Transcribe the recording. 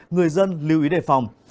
người dân lưu ý đề phòng